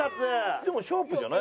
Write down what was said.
でもシャープじゃない？